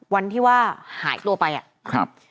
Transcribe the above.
วันที่ว่าหายตัวไปอะ